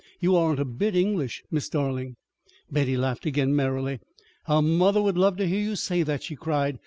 You aren't a bit English, Miss Darling." Betty laughed again merrily. "How mother would love to hear you say that!" she cried.